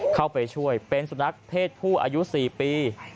เข้าไปช่วยเป็นสุนัขเพศผู้อายุ๔ปี